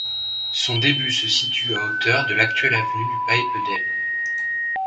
Son début se situe à hauteur de l’actuelle avenue du Paepedelle.